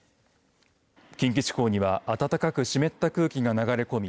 近畿地方には暖かく湿った空気が流れ込み